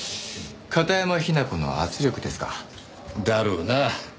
片山雛子の圧力ですか？だろうな。